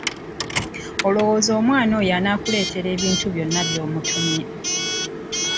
Olowooza omwana oyo anaakuleetera ebintu byonna by'omutumye?